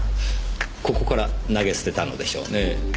ここから投げ捨てたのでしょうねぇ。